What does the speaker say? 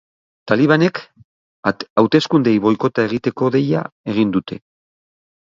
Talibanek hauteskundeei boikota egiteko deia egin dute.